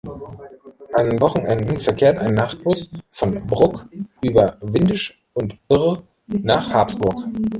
An Wochenenden verkehrt ein Nachtbus von Brugg über Windisch und Birr nach Habsburg.